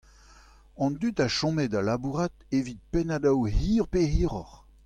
An dud a chome da labourat evit pennadoù hir pe hiroc'h.